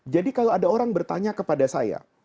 jadi kalau ada orang bertanya kepada saya